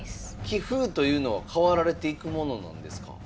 棋風というのは変わられていくものなんですか？